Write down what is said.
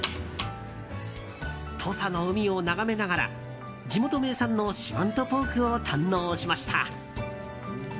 土佐の海を眺めながら地元名産の四万十ポークを堪能しました。